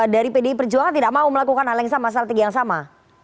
dari pdi perjuangan tidak mau melakukan hal yang sama strategi yang sama